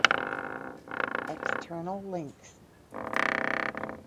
External links